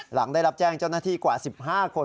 หลังได้รับแจ้งเจ้าหน้าที่กว่า๑๕คน